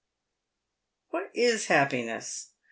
"What is happiness